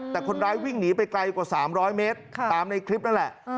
แต่คนร้ายวิ่งหนีไปไกลกว่า๓๐๐เมตรตามในคลิปนั่นแหละ